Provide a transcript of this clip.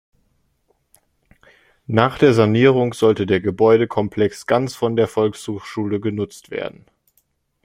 Nach der Sanierung sollte der Gebäude-Komplex ganz von der Volkshochschule genutzt werden.